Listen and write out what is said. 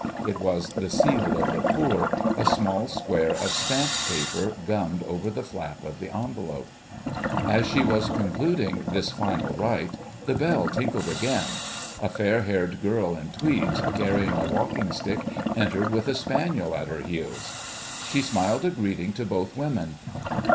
It was the seal of the poor, a small square of stamp paper gummed over the flap of the envelope. As she was concluding this final rite the bell tinkled again. A fair haired girl in tweeds, carrying a walking stick, entered with a spaniel at her heels. She smiled a greeting to both women.